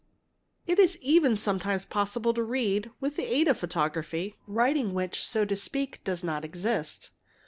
. It is even sometimes possible to read, with the aid of photography, writing which, so. to speak, does not exist.